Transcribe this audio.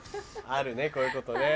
あるねこういうことね。